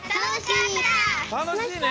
たのしいね。